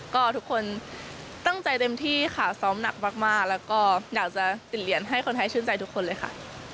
ก็ทุกคนตั้งใจเต็มที่ค่ะซ้อมหนักมากแล้วก็อยากจะติดเหรียญให้คนไทยชื่นใจทุกคนเลยค่ะ